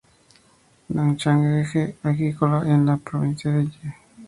Nanchang es un eje agrícola en la provincia de Jiangxi.